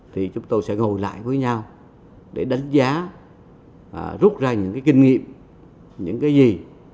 thì chúng tôi sẽ ngồi lại với nhau để đánh giá rút ra những kinh nghiệm những gì